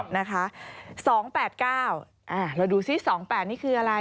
๒๘๙เราดูสิ๒๘นี่คืออะไร